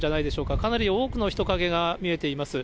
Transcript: かなり多くの人影が見えています。